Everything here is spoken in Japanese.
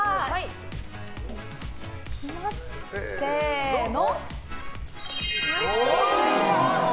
せーの。